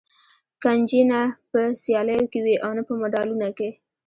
کنجي نه په سیالیو کې وي او نه په مډالونه کې.